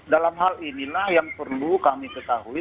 dalam hal inilah yang perlu kami ketahui